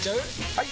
・はい！